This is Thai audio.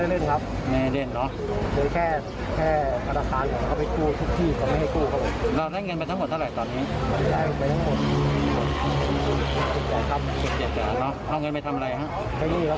แล้วแล้ว๒คนที่มาด้วยกันนี่เป็นอะไรกันนะครับ